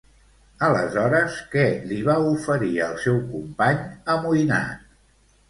Aleshores, què li va oferir al seu company amoïnat?